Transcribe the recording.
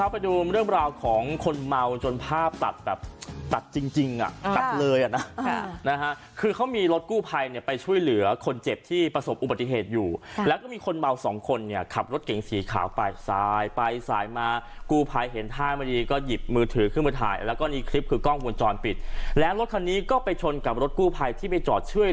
ไปดูเรื่องราวของคนเมาจนภาพตัดแบบตัดจริงจริงอ่ะตัดเลยอ่ะนะคือเขามีรถกู้ภัยเนี่ยไปช่วยเหลือคนเจ็บที่ประสบอุบัติเหตุอยู่แล้วก็มีคนเมาสองคนเนี่ยขับรถเก่งสีขาวไปสายไปสายมากู้ภัยเห็นท่าไม่ดีก็หยิบมือถือขึ้นมาถ่ายแล้วก็มีคลิปคือกล้องวงจรปิดแล้วรถคันนี้ก็ไปชนกับรถกู้ภัยที่ไปจอดช่วย